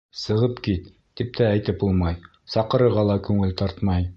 Сығып кит, тип тә әйтеп булмай, саҡырырға ла күңел тартмай.